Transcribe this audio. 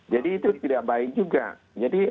jadi itu tidak baik juga jadi